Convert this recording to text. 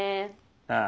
ああ。